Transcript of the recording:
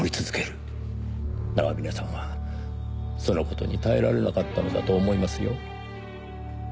長峰さんはその事に耐えられなかったのだと思いますよ。